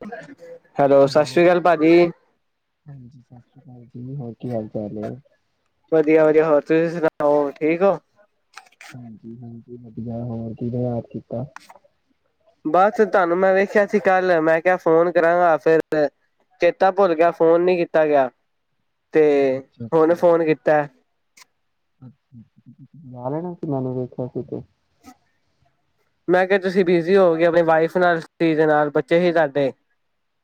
[unintelligible] Hello ਸਤਿ ਸ੍ਰੀ ਅਕਾਲ ਭਾਜੀ ਹਾਂ ਵਧੀਆ ਵਧੀਆ ਹੋਰ ਤੁਸੀਂ ਸੁਣਾ ਹੋ ਠੀਕ ਹਾਂਜੀ ਹਾਂਜੀ ਵਧੀਆ ਹੋਰ ਕਿਹਦਾ ਯਾਦ ਕੀਤਾ ਬਸ ਤੁਹਾਨੂੰ ਮੈਂ ਵੇਖਿਆ ਸੀ ਕੱਲ ਮੈਂ ਕਿਹਾ ਫੋਨ ਕਰਾਂਗਾ ਫਿਰ ਚੇਤਾ ਭੁੱਲ ਗਿਆ ਫੋਨ ਨੀ ਕੀਤਾ ਗਿਆ ਤੇ ਹੁਣ ਅੱਛਾ-ਅੱਛਾ, ਫੋਨ ਕੀਤਾ ਜਾ ਲੈਣਾ ਸੀ ਮੈਨੂੰ ਦੇੇਖਿਆ ਸੀ ਤੇ ਮੈਂ ਕਿਹਾ ਤੁਸੀਂ ਬਿਜ਼ੀ ਹੋਗੇ ਆਪਣੀ ਵਾਈਫ ਨਾਲ ਦੇ ਨਾਲ ਬੱਚੇ ਹੀ ਤੁਹਾਡੇ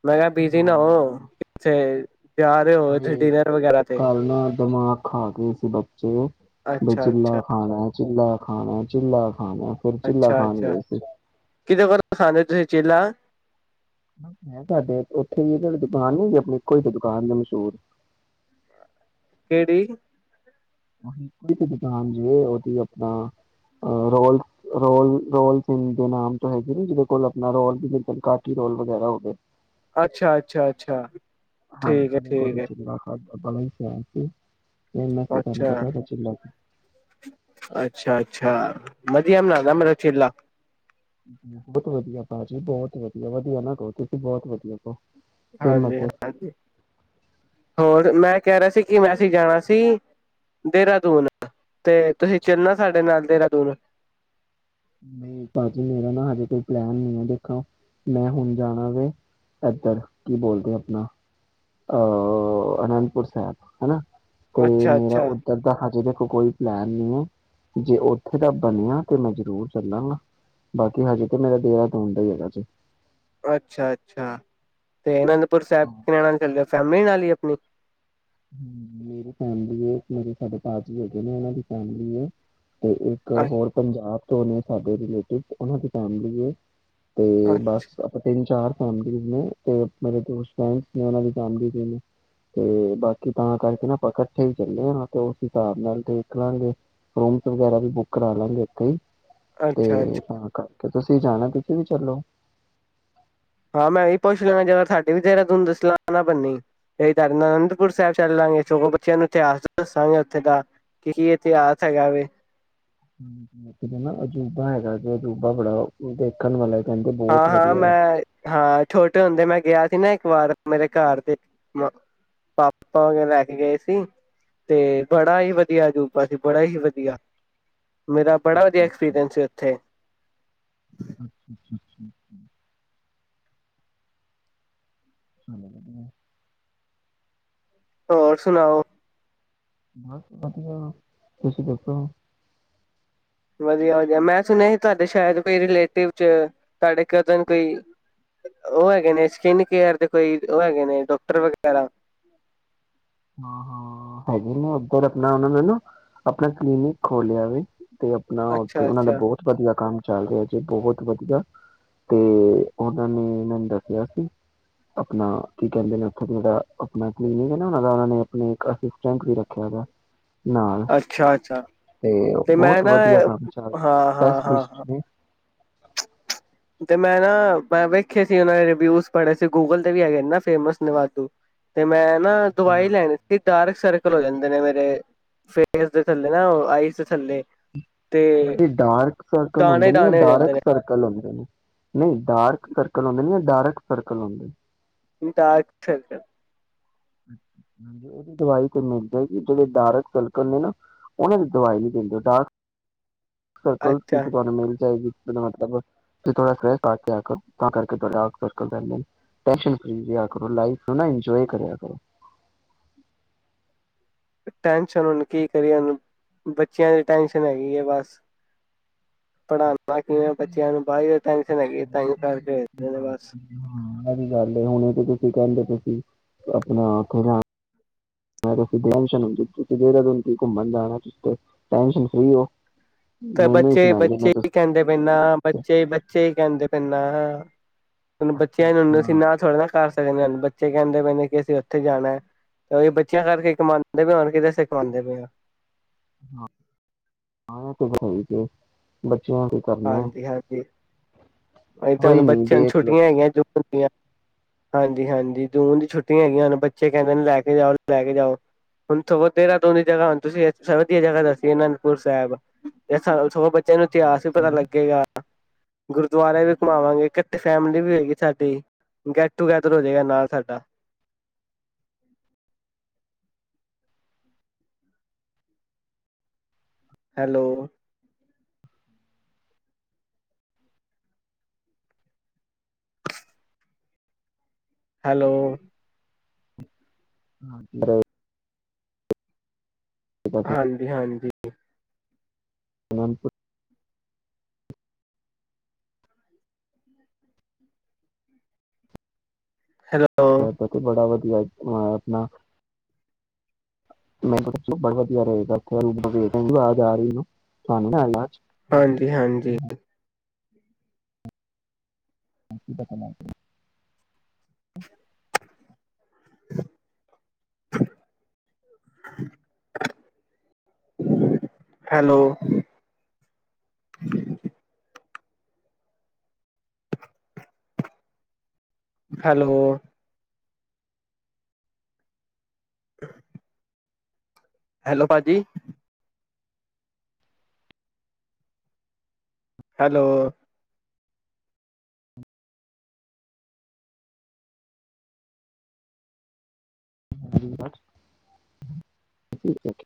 ਮੈਂ ਕਿਹਾ ਬਿਜੀ ਨਾ ਹੋ ਹਾਂ ਕਿਥੇ ਜਾ ਰਹੇ ਹੋ ਅ ਡਿਨਰ ਵਗੈਰਾ ਤੇ ਕਰਨਾ ਦਿਮਾਗ ਖਾ ਕੇ ਸੀ ਬੱਚੇ ਬ ਅੱਛਾ ਅੱਛਾ ਚਿੱਲਾ ਖਾਣਾ ਚਿੱਲਾ ਖਾਣੇ ਚਝਿੱ ਲਾਗ ਅੱਛਾ ਅੱਛਾ ਕਿਤੇ ਕਰ ਖਾਦੇ ਹੋ ਤੁਸੀਂ ਚਲਾ ਤੁਡੇ ਉੱਥੇ ਹੀ ਦੁਕਾਨ ਨੀਗੀ ਆਪਣੀ ਇੱਕੋ ਹੀ ਦੁਕਾਨ ਨੇ ਮਸ਼ਹੂਰ ਕਿੜੀ ਦੁਕਾਨ ਜਵੇ ਉਹਦੀ ਆਪਣਾ ਰੋਲ ਰੋ ਰੋਲ ਦੇ ਨਾਮ ਤੋਂ ਹੈ ਨਾ ਜਿਹਦੇ ਕੋਲਣਾ ਰੋਲ ਕਾ ਰੋਲ ਵਗਰਾ ਹੋਵੇ ਅੱਛਾ ਅੱਛਾ ਅੱਛਾ ਠੀਕ ਠੀਕ ਹੈ ਸਸੀ ਅੱਛਾ ਅੱਛਾ ਅੱਛਾ [inaudible] ਬਹੁਤ ਵਧੀਆ ਭਾਜੀੀ ਬਹੁਤ ਵਧੀਆ ਵਧੀਆ ਨਾ ਕਹੋ ਤੁੀ ਬਹੁਤ ਵਧੀਆ ਕਹੋ ਫੇਮਸ ਹਾਂਜੀ ਹੈ ਹਾਂਜੀ ਹੋਰ ਮੈਂ ਕਹਿ ਰਿਹਾ ਸੀ ਕਿ ਮੈਂ ਅਸੀਂ ਜਾਣਾ ਸੀ ਦੇਹਰਾਦੂਨ ਤੇ ਤੁਸੀਂ ਚੱਲਣਾ ਸਾਡੇ ਨਾਲ ਦੇਹਰਾਦੂਨ ਨਹੀਂ ਭਾਜੀ ਮੇਰਾ ਨਾ ਹਜੇ ਕੋਈ ਪਲੈਨ ਨਹੀਂ ਹੈ ਦੇਖੋ ਮੈਂ ਹੁਣ ਜਾਣਾ ਵ ਇਏਧਰ ਕੀ ਬੋਲਦੇ ਆਪਣਾ ਅਹ ਅਨੰਦਪੁਰ ਸਾਹਿਬ ਹਨਾ ਤੇ ਮੇਰਾ ਅੱਛਾ-ਅੱਛਾ, ਉੱਧਰ ਦਾ ਹਜੇ ਕੋਈ ਪਲੈਨ ਨੀ ਹੈ ਜੇ ਉੱਥੇ ਦਾ ਬਣਿਆ ਤੇ ਮੈਂ ਜਰੂਰ ਚੱਲਾਂਗਾ ਬਾਕੀ ਹਜੇ ਤੇ ਮੇਰਾ ਦੇਰਾ ਟਣਦਾ ਹੈਗਾ ਜ ਅੱਛਾ ਅੱਛਾ ਤੇ ਇਹਨਾਂ ਨੂੰ ਸਾਹਿਬ ਕਿ ਨਾਲ ਚੱਲ ਰਿ ਫੈਮਿਲੀ ਨਾਲ ਹੀ ਹਮ ਹ ਮੇਰੀ ਫੈਮਿਲੀ ਹੈ ਮੇਰੇ ਸਾਡੇ ਪਾ ਜਗੇ ਨੇ ਉਹਨਾਂ ਦੀ ਫੈਮਿਲੀ ਹੈ ਤੇ ਇੱਕ ਹੋਰ ਪੰਜਾਬ ੋਨ ਸਾਡੇ ਰਿਲੇਟਿਵ ਉਹ ਦੀ ਫੈਮਲੀ ਤੇ ਬਸ ਆਪਾਂ ਤਿੰਨ ਚਾਰ ਨੇ ਮੇਰੇ ਦ ਨੇ ਦੀ ਫੈ ਬਾਕ ਕਿ ਤਾਂ ਕਰਕੇ ਨਾ ਆਪਾਂ ਇਕੱਠੇ ਹੀ ਜਾਂੇ ਹ ਤੇ ਉਸ ਹਿਸਾਬ ਨਾਲ ਦੇਖ ਲਾਂਗੇ ਰੂਮ ਵਗੈਰਾ ਵੀ ਬੁੱਕ ਕਰਾ ਲਾਂਗੇ ਇੱਥੇ ਹੀ ਤੇ ਅੱਛਾ-ਅੱਛਾ ਤਾਂ ਕਰ ਕਿ ਤੁਸੀਂ ਜਾਣਾ ਕਿਥ ਵੀ ਚੱਲੋ ਹਾਂ ਮੈਂ ਵੀ ਪੁੱਛ ਲਾਂਗਾ ਜਦੋਂ ਤੁਹਾਡੇ ਵੀ ਤੇਰਾ ਤਹਨੂੰ ਦੱਸ ਲਾਂ ਨਾ ਬੰਨੀ ਇਡ ਅਨੰਦਪੁਰ ਸਾਹਿਬ ਚੱਲ ਲਵਾਂਗੇ ਸ ਬੱਚਿਆਂ ਨੂੰ ਇਤਿਹਾਸ ਦੱਸਾਂਗੇ ਉੱਥੇ ਦਾ ਕਿ ਕੀ ਇਤਿਹਾਸ ਹੈਗਾ ਵ ਨਾ ਅਜੂਬਾ ਹੈਗਾ ਤੇ ਅਜੂਬਾ ਬੜਾ ਦੇਖਣ ਵਾਲਾ ਕਹਿੰਦੇ ਹਾਂ ਬਹੁਤ ਹਾਂ ਵਧੀਆ ਹੈ ਮੈਂ ਹਾਂ ਛੋਟੇ ਹੁੰਦੇ ਮੈਂ ਗਿਆ ਸੀ ਨਾ ਇੱਕ ਵਾਰ ਮੇਰੇ ਘਰ ਦੇ ਪਾਪਾ ਵ ਲੈ ਕੇ ਗਏ ਸੀ ਤੇ ਬੜਾ ਹੀ ਵਧੀਆ ਅਜੂਬਾ ਸੀ ਬੜਾ ਹੀ ਵਧੀਆ ਮੇਰਾ ਬੜਾ ਵਧੀਆ ਐਕਸਪੀਰੀਅੰਸ ਸੀ ਉੱਥੇ ਠੀਕੀ ਹ ਵਧੀਆ ਹੋਰ ਸੁਣਾਓ ਬਸ ਵਧੀਆ ਤੁਸੀਂ ਦੇੱਸੋ ਵਧਆ ਵਧਆ ਮੈਂ ਸੁਣਿਆ ਸੀ ਤੁਹਾਡੇ ਸ਼ਾਇਦ ਕੋਈ ਰਲੇਟਿਵ ਚ ਤੁਹਾਡੇ ਕਜਨ ਕੋਈ ਉਹ ਹੈਗੇ ਨੇ ਸਕਿਨ ਕੇਰ ਦੇ ਕੋਈ ਉਹ ਹੈਗੇ ਨੇ ਡਾਕਟਰ ਵਗੈਰਾ ਹਾਂ ਹਾਂ ਹੈਗੇ ਨੇ ਉੱਧਰ ਆਪਣਾ ਉਹਨਾਂ ਨੇ ਨਾ ਆਪਣਾ ਕਲੀਨਿਕ ਖੋਲਿਆ ਵੀ ਅਤੇ ਆਪਣਾ ਉੱਥੇ ਅੱਛਾ ਉਹਨਾਂ ਦਾ ਅੱਛਾ ਬਹੁਤ ਵਧੀਆ ਕੰਮ ਚੱਲ ਰਿਹਾ ਜੀ ਬਹੁਤ ਵਧੀਆ ਤੇ ਉਹਨਾਂ ਨੇ ਮਨੂੰ ਦੱਸਿਆ ਸੀ ਆਪਣਾ ਕੀ ਕਹਿੰਦੇ ਨੇ ਉੱਥੇ ਜਹੜਾ ਆਪਣਾ ਕਲੀਨਿਕ ਹੈ ਨਾ ਦਾ ਉਹਨਾਂ ਨੇ ਆਪਣੇ ਅਸਿਸਟੈਂਟ ਵੀ ਰੱਖਿਆ ਹੈਗਾ ਅੱਛਾ ਅੱਛਾ ਤੇ ਮੈਂ ਬਹੁਤ ਨਾ ਵਧੀਆ ਕੰਮ ਚੱਲ ਰਿਹਾ ਹਾਂ ਹਾਂ ਹਾਂ ਹਾਂ ਸਪੈਸ਼ਲਿਸਟ ਤੇ ਮੈਂ ਨਾ ਮੈਂ ਵੇਖੇ ਸੀ ਉਹਨਾਂ ਦੇ ਰਿਵਿਊਜ਼ ਪੜੇ ਸੀ ਗੂਗਲ ਤੇ ਵੀ ਹੈਗੇ ਨੇ ਨਾ ਫੇਮਸ ਨੇ ਵਾਧੂ ਤੇ ਮੈਂ ਨਾ ਨੇ ਦਵਾਈ ਲੈਣੀ ਸੀ। ਡਾਰਕ ਸਰ ਹੋ ਜਾਂਦੇ ਨੇ ਮੇਰੇ, ਫੇਸ ਦੇ ਥੱਲੇ ਨਾ ਉਹ ਆਈ ਸਾਡੇ ਡਾਰਕ ਸਰਕਲ ਦਾਣੇ ਹੁੰਦੇ ਨੇ ਜਾਂ ਦਾਣੇ ਹੋ ਜਾਂਦੇ ਡਾਰਕ ਨੇ ਸਰਕਲ ਹੁੰਦੇ ਨੇ ਨਹੀਂ, ਡਾਰਕ ਸਰਕਲ ਹੁੰਦੇ ਨੇ ਜਾਂ ਡਾਰਕ ਸਰਕਲ ਹੁੰਦੇ ਨੇ ਡਾਰਲਕ ਸਾਰਕਲ। ਹਾਂ, ਉਹਦੀ ਦਵਾਈ ਤੇ ਮਿਲ ਜਾਏਗੀ। ਜਿਹੜੇ ਡਾਰਕ ਫਲਕ ਨੇ ਨਾ ਉਹਨਾਂ ਦੀ ਦਵਾਈ ਨਹੀ ਦਿੰਦੇ। ਡਾਰਕ ਸਰਕਲ ਕੀ ਅੱਛਾ ਦੁਕਾਨ ਮਿਲ ਜਾਏਗੀ। ਮਤਲਬ ਤੁ ਥੋੜਾ ਫੈ ਆ ਕਰ ਤਾਂ ਕਰਕੇਾਲ ਟੈ ਫੀ ਰਿਹਾ ਕਰੋ। ਲਾਈਫ ਨੂੰ ਨਾ ਇੰਜੋਏ ਕਰਿਆ ਕਰੋ। ਟੈਂਸ਼ਨ ਕੀ ਕਰੀਏ। ਉਹਨੂੰ ਬੱਚਿਆਂ ਦੀ ਟੈਸ਼ਨ ਹੈਗੀ ਹੈ। ਬਸ ਾਂ ਪੜ੍ਹਾਉਣਾ ਕਿਵੇਂ [unintelligible] ਗੱਲ ਬੱਚਿਆਂ ਨੂੰ ਬਾਹਰ ਟੈਨਸ਼ਨ ਹੈਗੀ ਤਾਂਹੀ ਕਰਕੇ ਭੇਜਦੇ ਨੇ ਬਸ ਹੁਣੇ ਤੇ ਕਹਿੰਦੇ ਤੁਸੀਂ, ਆਪਣਾ, ਉੱਥੇ ਜਾ ਮੈਂ ਤੁ ਟੁੰ ਤੁਸੀ ਜ ਦਿਨ ਘੁੰਮਣ ਜਾਣਾ, ਤੁਸੀ ਟੈਂਸ਼ਨ ਫੀ ਹੋ। ਤੇ ਮੈਨੂੰ ਹੀ ਬੱਚੇ- ਸੁਣਾਈ ਬੱਚੇ ਜਾਂਦੇ ਹੀ ਤੁਸੀਂ ਕਹਿੰਦੇ ਪੈਂਨਾ, ਬੱਚੇ -ਬੱਚੇ ਹੀ ਕਹਿੰਦੇ ਪੈਂਨਾ। ਹ ਬੱਚਿਆਂ ਅੱਛਾ ਨ ਅਸੀਂ ਨਾ ਥੋੜ੍ਹਾ ਨਾ ਕਰ ਹਨ। ਬੱਚੇ ਕਹਿੰਦੇ ਪਏ ਨੇ ਕਿ ਅਸੀਂ ਉੱਥੇ ਜਾਣਾ, ਤੇ ਉਹੀ ਬੱਚਿਆਂ ਕਰਕੇ ਕਮਾਉਂਦੇ ਪਏ ਹਾਂ ਕਿਦੇ ਸ ਕਮਾਉਂਦੇ ਪਏ ਹਾਂ। ਹ [unintelligible] ਹਾਂਜੀ- ਹਾਂਜੀ ਕੋਈ ਤੁਹਾਨੰ ਨੀ ਬੱਚਿਆਂ ਨੂੰ ਦੇਖ ਲੋ ਛੁੱਟੀਆਂ ਤੁਸੀਂ ਹੈਗੀਆਂ ਜੋ ਹਆਂ ਹਾਂਜੀ -ਹਾਂਜੀ ਜੂਨ ਦੀ ਛੁੱਟੀਆਂ ਹੈਗੀਆਂ। ਹਨੁ ਬੱਚੇ ਕਹਿੰਦੇ ਲੈ ਕੇ ਜਾਓ, ਲੈ ਕੇ ਜਾਉ। ਹੁਣ ਦੇਹਾਰਦੁਨਦ ਦੀ ਜਗ੍ਹਾ ਹੁਣ ਤੁਸੀਂ ਵਧੀਆ ਜਗ੍ਹਾ ਦੱਸੀਏ ਅਨੰਦਪੁਰ ਸਾਹਿਬ। ਸੋ ਬੱਚਿਆਂ ਨੂੰ ਇਤਿਹਾਸ ਪਤਾ ਲੱਗੇਗਾ। ਗੁਰਦੁਆਰੇ ਵੀ ਘੁਮਾਵਾਂਗੇ। ਇਕਠੇ ਫੈਮਿਲੀ ਵੀ ਹੋਏਗੀ। ਸਾਡੀ ਗੈਟ ਟੂ ਗੇੈਦਰ ਹੋ ਜਾਏਗਾ ਨਾਲ ਸਾਡਾ ਹੈਲੋ, ਹੈਲੋ, ਹਾਂ। ਹਾਂਜੀ- ਹਾਂਜੀ। ਠੀਕ ਹੈ। ਸੁਜਾਨਪੁਰ ਹੈ। ਮੈਂ ਪ ਬੜਾ ਵਧੀਆ। ਅ- ਆਪਣਾ ਮੈਨੂੰ ਦੱਸੋ ਬੜਾ ਵਧੀਆ ਰਹੇਗਾਥੇ ਰਪ ਬਲ ਸਿੰਘ ਆਜ ਆ ਰਹੀਾਨ [unintelligible] ਹਾਂਜੀ-ਹਾਂਜੀ, ਨਤੀ ਹੈ। ਹ [unintelligible] ਹੈਲੋ, ਹੈਲੋ, [unintelligible] ਹੈਲੋ, ਭਾਜੀ। ਹੈਲੋ, ਠੀਕ